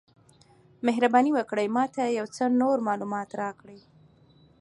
مهرباني وکړئ ما ته یو څه نور معلومات راکړئ؟